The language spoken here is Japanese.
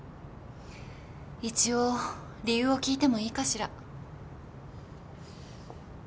一応理由を聞いてもいいかしら？